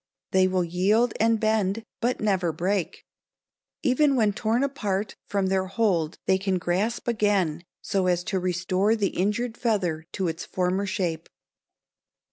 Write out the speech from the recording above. They will yield and bend, but never break. Even when torn apart from their hold they can grasp again so as to restore the injured feather to its former shape.